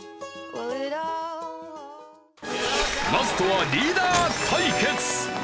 ラストはリーダー対決。